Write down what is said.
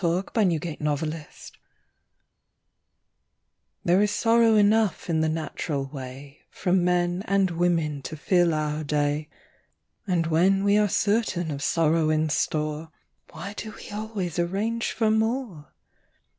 THE POWER OF THE DOG There is sorrow enough in the natural way From men and women to fill our day; But when we are certain of sorrow in store, Why do we always arrange for more?